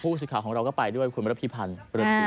ผู้สิทธิ์ข่าวของเราก็ไปด้วยคุณรับพิพันธ์อ่า